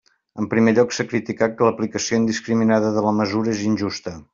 En primer lloc, s'ha criticat que l'aplicació indiscriminada de la mesura és injusta.